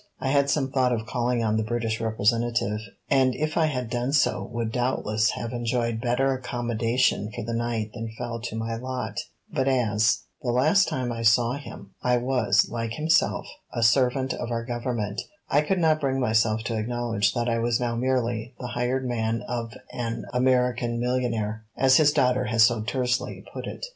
I had some thought of calling on the British representative, and if I had done so would doubtless have enjoyed better accommodation for the night than fell to my lot; but as, the last time I saw him, I was, like himself, a servant of our Government, I could not bring myself to acknowledge that I was now merely the hired man of an American millionaire, as his daughter had so tersely put it.